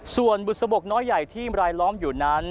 ส่วนบุษบกน้อยใหญ่ที่รายล้อมอยู่นั้น